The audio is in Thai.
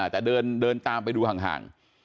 แต่เดินตามไปดูห่าง